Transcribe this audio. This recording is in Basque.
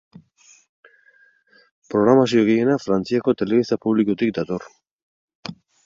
Programazio gehiena Frantziako telebista publikotik dator.